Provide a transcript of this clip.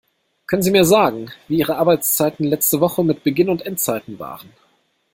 Können Sie mir sagen, wie Ihre Arbeitszeiten letzte Woche mit Beginn und Endzeiten waren?